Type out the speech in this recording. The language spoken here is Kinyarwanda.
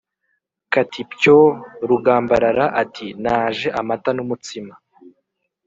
Kati pyo, Rugambarara ati naje-Amata n'umutsima.